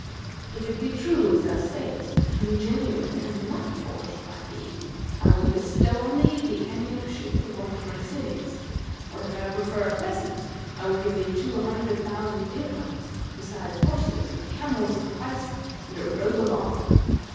If it be true, as thou sayest, and genuine and not forged by thee, I will bestow on thee the Emirship of one of my cities; or, if thou prefer a present, I will give thee two hundred thousand dirhams, besides horses and camels of price and a robe of honour.